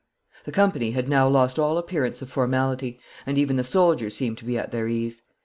The company had now lost all appearance of formality, and even the soldiers seemed to be at their ease.